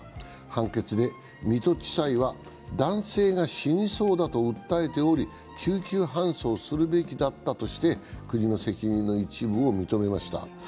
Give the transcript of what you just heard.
判決で水戸地裁は男性が死にそうだと訴えており救急搬送するべきだったとして国の責任の一部を認めました。